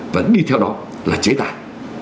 vẫn đi theo đó là chế tài